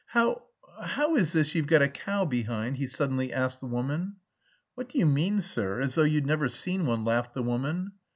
"How... how is this you've got a cow behind?" he suddenly asked the woman. "What do you mean, sir, as though you'd never seen one," laughed the woman.